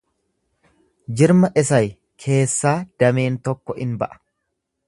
Jirma Isey keessaa dameen tokko in ba'a.